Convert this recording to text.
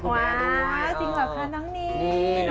เข้าไปข้างหน้าค่ะ